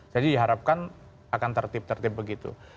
jadi diharapkan akan tertib tertib begitu